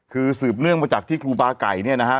คือสืบเนื่องมาจากที่ครูบาไก่เนี่ยนะฮะ